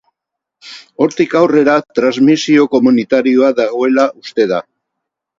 Hortik aurrera, transmisio komunitarioa dagoela uste da.